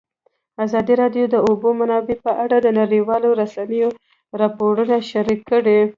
ازادي راډیو د د اوبو منابع په اړه د نړیوالو رسنیو راپورونه شریک کړي.